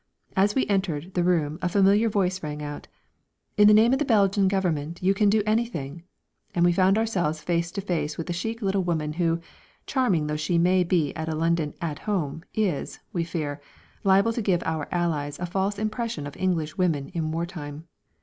As we entered the room a familiar voice rang out: "In the name of the Belgian Government you can do anything" and we found ourselves face to face with the chic little woman who, charming though she may be at a London "at home," is, we fear, liable to give our Allies a false impression of English women in war time.